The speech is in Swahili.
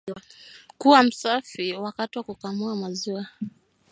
Kuwa msafi wakati wa kukamua maziwa